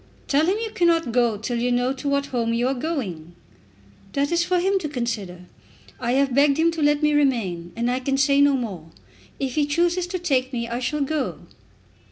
"Tell him you cannot go till you know to what home you are going." "That is for him to consider. I have begged him to let me remain, and I can say no more. If he chooses to take me, I shall go."